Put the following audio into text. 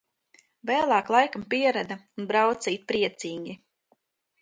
Vēlāk laikam pierada un brauca it priecīgi.